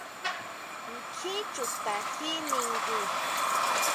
¿ʼNkjin chuta ji ningu?